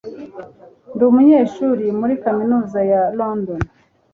Ndi umunyeshuri muri kaminuza ya London.